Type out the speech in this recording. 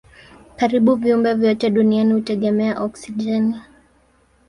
Karibu viumbe vyote duniani hutegemea oksijeni.